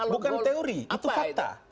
bukan teori itu fakta